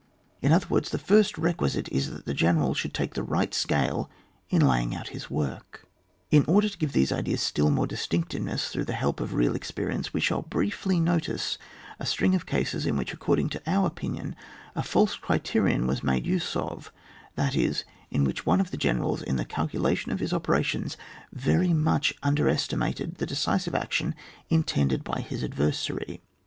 In other words, the first requisite is that the gene ral should take the right scale in laying out his work. In order to give these ideas still more distinctness through the help of real ex perience, we shall briefly notice a string of cases in which, according to our opinion, a false criterion was made use of, that is, in which one of the generals in the calculation of his operations very much underestimated the decisive action intended by his adversary.